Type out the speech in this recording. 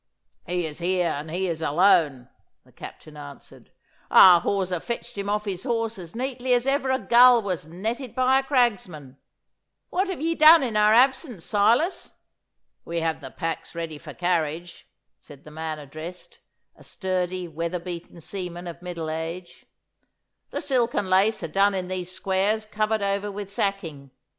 'He is here, and he is alone,' the Captain answered. 'Our hawser fetched him off his horse as neatly as ever a gull was netted by a cragsman. What have ye done in our absence, Silas!' 'We have the packs ready for carriage,' said the man addressed, a sturdy, weather beaten seaman of middle age. 'The silk and lace are done in these squares covered over with sacking.